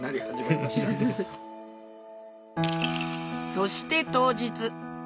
そして当日